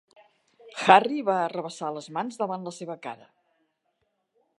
Harry va arrabassar les mans davant la seva cara.